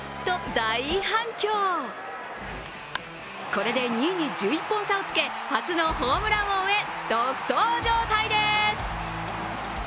これで２位に１１本差をつけ初のホームラン王へ独走状態です。